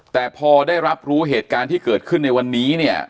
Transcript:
แต่พอได้รับรู้เหตุการณ์ที่เกิดขึ้นในวันนี้เนี่ย